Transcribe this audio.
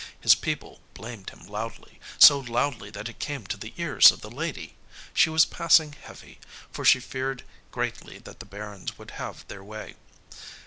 His people blamed him loudly, so loudly that it came to the ears of the lady. She was passing heavy, for she feared greatly that the barons would have their way.